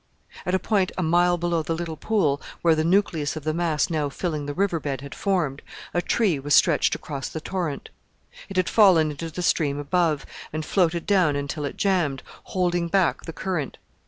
At a point a mile below the little pool where the nucleus of the mass now filling the river bed had formed, a tree was stretched across the torrent. It had fallen into the stream above, and floated down until it jammed, holding back the current.